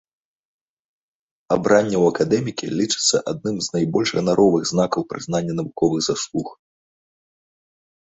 Абранне ў акадэмікі лічыцца адным з найбольш ганаровых знакаў прызнання навуковых заслуг.